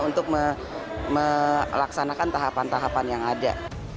untuk melaksanakan tahapan tahapan yang ada